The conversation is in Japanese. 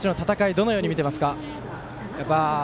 どのように見ていますか？